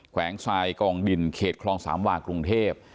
แวงทรายกองดินเขตคลองสามวากรุงเทพ